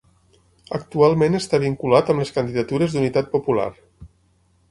Actualment està vinculat amb les Candidatures d'Unitat Popular.